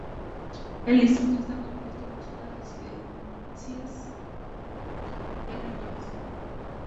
El distrito está compuesto por zonas residencias y agrícolas.